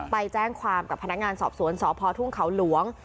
ไปแจ้งความกับพนักงานสอบสวนสพทุ่งเขาหลวง